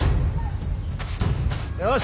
よし！